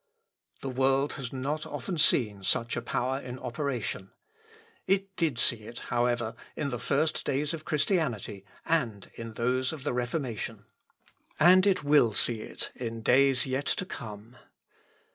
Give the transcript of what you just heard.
The world has not often seen such a power in operation. It did see it, however, in the first days of Christianity and in those of the Reformation; and it will see it in days yet to come.